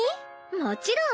もちろん。